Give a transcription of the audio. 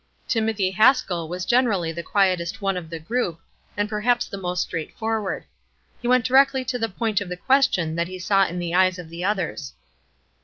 Timothy Haskell was generally the quietest one of the group, and perhaps the most straightforward. He went directly to the point of the question that he saw in the eyes of the others.